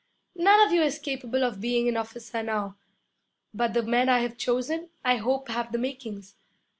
None of you is capable of being an officer now; but the men I've chosen, I hope have the makings.